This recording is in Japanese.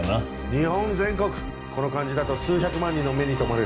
日本全国この感じだと数百万人の目に留まる。